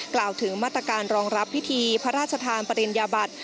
กล่าวถึงมาตรการรองรับพิธีพระราชทานปริญญาบัติ